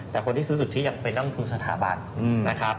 แต่คนที่ซื้อสุทธิตอยากไปน้องทุนสถาบันนะครับ